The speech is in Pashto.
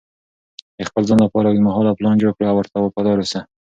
د خپل ځان لپاره اوږدمهاله پلان جوړ کړه او ورته وفادار اوسه.